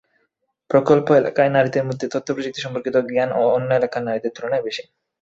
প্রকল্প এলাকায় নারীদের মধ্যে তথ্যপ্রযুক্তি-সম্পর্কিত জ্ঞানও অন্য এলাকার নারীদের তুলনায় বেশি।